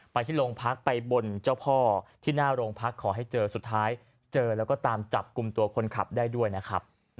ไปที่โรงพักไปบนเจ้าพ่อที่หน้าโรงพักขอให้เจอสุดท้ายเจอแล้วก็ตามจับกลุ่มตัวคนขับได้ด้วยนะครับ